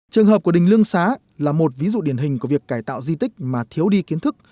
trường hợp của đình lương xá là một ví dụ điển hình của việc cải tạo di tích mà thiếu đi kiến thức